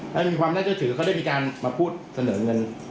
ได้มีความได้เจ้าถือเขาได้มีการมาพูดเสนอเงิน